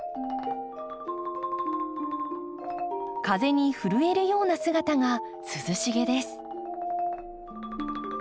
風に震えるような姿が涼しげです。